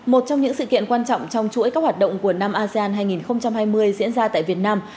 một trong những sự kiện quan trọng trong chuỗi các hoạt động của năm asean hai nghìn hai mươi diễn ra tại việt nam